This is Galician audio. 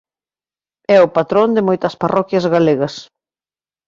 É o patrón de moitas parroquias galegas.